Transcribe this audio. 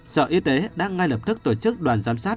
sở y tế đang ngay lập tức tổ chức đoàn giám sát